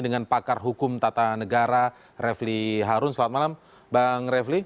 dengan pakar hukum tata negara refli harun selamat malam bang refli